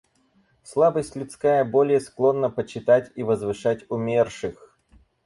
Слабость людская более склонна почитать и возвышать умерших.